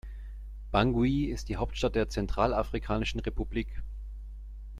Bangui ist die Hauptstadt der Zentralafrikanischen Republik.